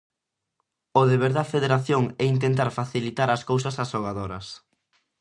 O deber da federación é intentar facilitar ás cousas ás xogadoras.